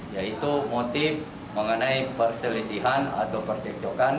yaitu motif mengenai perselisihan atau percekcokan